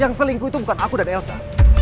yang selingkuh itu bukan aku dan elsa